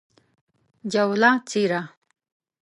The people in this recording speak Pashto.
جوله : څیره